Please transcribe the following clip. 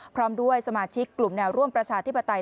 พร้อมด้วยสมาชิกกลุ่มแนวร่วมประชาธิปไตย